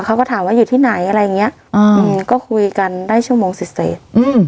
เขาก็ถามว่าอยู่ที่ไหนอะไรอย่างเงี้ยอืมก็คุยกันได้ชั่วโมงเสร็จ